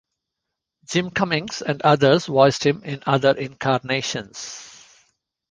Jim Cummings and others voiced him in other incarnations.